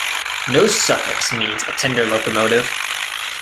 No suffix means a tender locomotive.